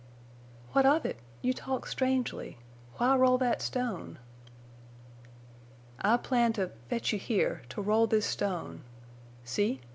"What of it? You talk strangely. Why roll that stone?" "I planned to—fetch you here—to roll this stone. See!